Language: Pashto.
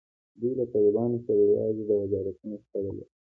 دوی له طالبانو سره یوازې د وزارتونو شخړه لري.